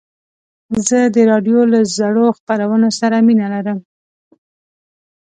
زه د راډیو له زړو خپرونو سره مینه لرم.